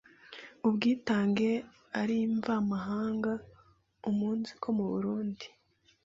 ubwitange ari mvamahanga umunsiko mu Burunndi